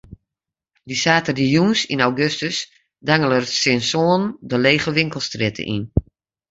Dy saterdeitejûns yn augustus dangele er tsjin sânen de lege winkelstrjitte yn.